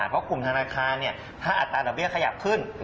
เพราะกลุ่มธนาคารถ้าอัตราดอกเบี้ยขยับขึ้น